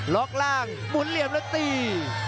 ล่างหมุนเหลี่ยมแล้วตี